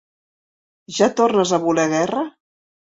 ¿Ja tornes a voler guerra?